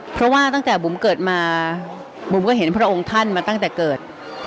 เพราะว่าตั้งแต่บุ๋มเกิดมาบุ๋มก็เห็นพระองค์ท่านมาตั้งแต่เกิด